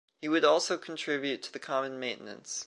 He would also contribute to the common maintenance.